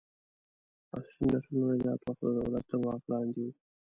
عصري نسلونه زیات وخت د دولت تر واک لاندې وو.